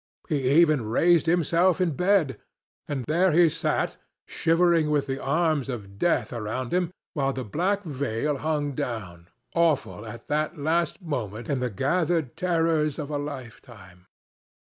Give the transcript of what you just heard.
He even raised himself in bed, and there he sat shivering with the arms of Death around him, while the black veil hung down, awful at that last moment in the gathered terrors of a lifetime.